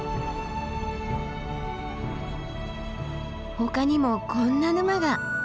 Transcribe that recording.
ほかにもこんな沼が。